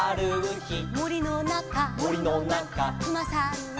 「もりのなか」「もりのなか」「くまさんに」